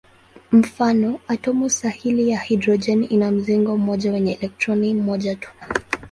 Mfano: atomu sahili ya hidrojeni ina mzingo mmoja wenye elektroni moja tu.